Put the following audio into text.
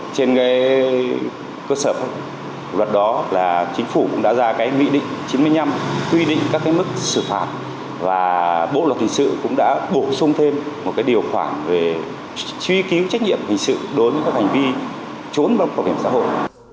trên cơ sở luật đó là chính phủ cũng đã ra mỹ định chín mươi năm quy định các mức xử phạt và bộ luật hình sự cũng đã bổ sung thêm một điều khoản về truy cứu trách nhiệm hình sự đối với các hành vi trốn bâm bảo hiểm xã hội